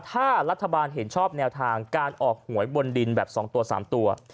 ถ้ารัฐบาลเห็นชอบแนวทางการออกหวยบนดินแบบ๒ตัว๓ตัว